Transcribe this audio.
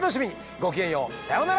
ごきげんようさようなら！